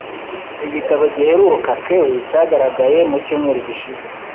Igitabo giheruka Kelly cyagaragaye mu cyumweru gishize.